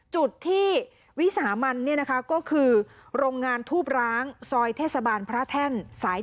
จุดที่วิสามันเนี่ยนะคะก็คือโรงงานทูบร้างซอยเทศบาลพระแท่นสาย๔